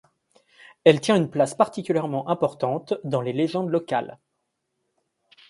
Elle tient une place particulièrement importante dans les légendes locales.